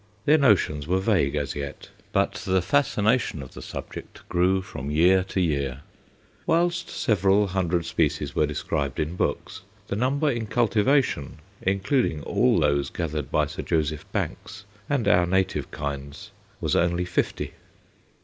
Their notions were vague as yet, but the fascination of the subject grew from year to year. Whilst several hundred species were described in books, the number in cultivation, including all those gathered by Sir Joseph Banks, and our native kinds, was only fifty.